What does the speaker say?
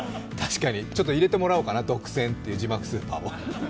ちょっと入れてもらおうかな、「独占」という字幕スーパーを。